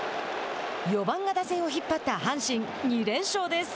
４番が打線を引っ張った阪神２連勝です。